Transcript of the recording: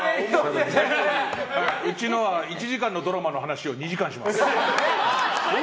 うちのは１時間のドラマの話を２時間します。